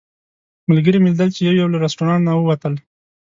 ملګري مې لیدل چې یو یو له رسټورانټ نه ووتل.